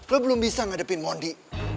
lo belum bisa ngadepin mondi